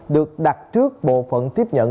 được đặt trước bộ phận tiếp nhận